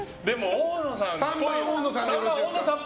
大野さん